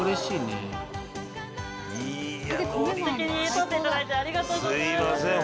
すてきに取っていただいてありがとうございます。